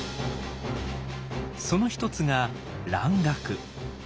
その一つが蘭学。